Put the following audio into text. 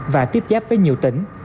và tiếp chép với nhiều tỉnh